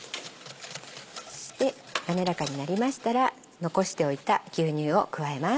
そして滑らかになりましたら残しておいた牛乳を加えます。